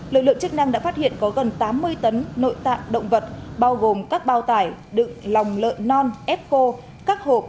lực lượng chức năng đã phát hiện có gần tám mươi tấn nội tạng động vật bao gồm các bao tải đựng lợn non ép khô các hộp